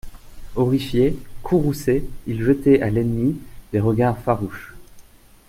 Horrifiés, courroucés, ils jetaient à l'ennemi des regards farouches.